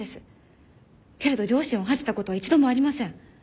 けれど両親を恥じたことは一度もありません。